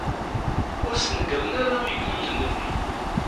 Ur snegren ara igduden-nni.